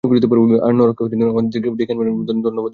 আর, নরককে আমাদের দিকে ডেকে আনবেন, ধন্যবাদ আপনাকে।